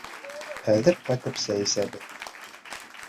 — Хәҙер ҡайтып сәй әсәбеҙ.